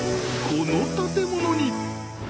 この建物に！